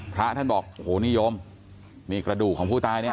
พระท่านบอกโหนิยมนี่กระดูกของผู้ตายเนี่ย